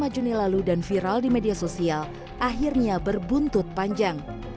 dua puluh juni lalu dan viral di media sosial akhirnya berbuntut panjang